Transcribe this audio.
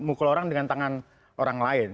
mukul orang dengan tangan orang lain